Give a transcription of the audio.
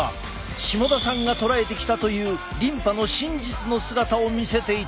下田さんが捉えてきたというリンパの真実の姿を見せていただこう。